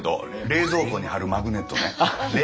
冷蔵庫に貼るマグネットね。